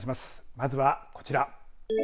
まずはこちら。